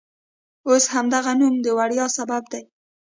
اوس همدغه نوم د ویاړ سبب دی.